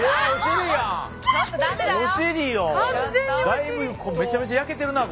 だいぶめちゃめちゃ焼けてるなあ